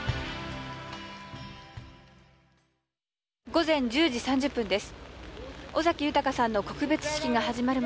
午前１０時３０分です。